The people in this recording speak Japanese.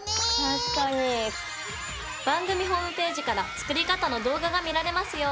番組ホームページから作り方の動画が見られますよ。